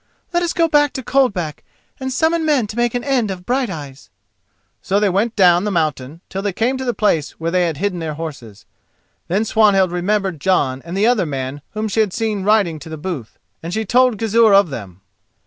Let us go back to Coldback and summon men to make an end of Brighteyes." So they went on down the mountain till they came to the place where they had hidden their horses. Then Swanhild remembered Jon and the other man whom she had seen riding to the booth, and she told Gizur of them.